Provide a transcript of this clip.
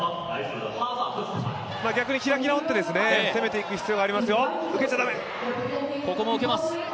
逆に開き直って攻めていく必要がありますよ、受けちゃ駄目！